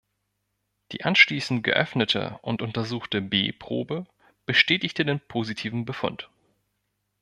Die anschließend geöffnete und untersuchte B-Probe bestätigte den positiven Befund.